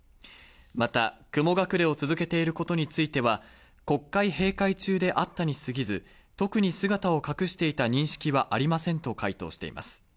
また雲隠れを続けていることに関して、国会閉会中であったにすぎず、特に姿を隠していた認識はありませんと回答しています。